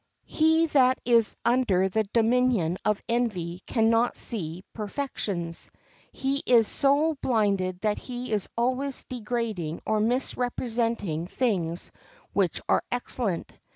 He that is under the dominion of envy can not see perfections. He is so blinded that he is always degrading or misrepresenting things which are excellent.